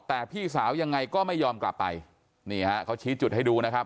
แต่พี่สาวยังไงก็ไม่ยอมกลับไปนี่ฮะเขาชี้จุดให้ดูนะครับ